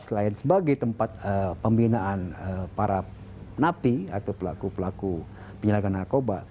selain sebagai tempat pembinaan para napi atau pelaku pelaku penyalahan narkoba